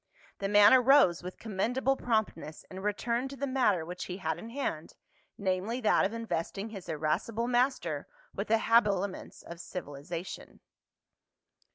The man arose with commendable promptness and returned to the matter which he had in hand, namely that of investing his irascible master with the habiliments of civilization.